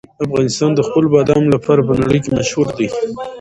افغانستان د خپلو بادامو لپاره په نړۍ کې مشهور دی.